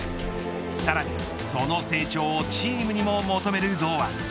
さらにその成長をチームにも求める堂安。